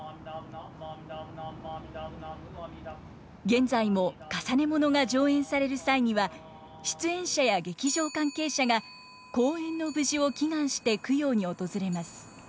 現在も累物が上演される際には出演者や劇場関係者が公演の無事を祈願して供養に訪れます。